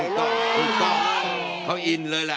หิ้นชอบพี่ไหวนี้หรอ